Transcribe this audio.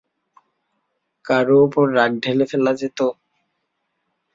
কারো ওপর রাগ ঢেলে ফেলা যেত।